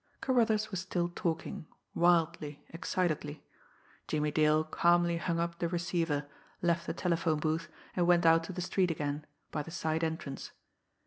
Carruthers was still talking, wildly, excitedly. Jimmie Dale calmly hung up the receiver, left the telephone booth, and went out to the street again by the side entrance.